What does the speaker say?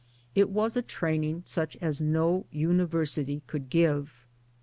It was a training such as no university could give.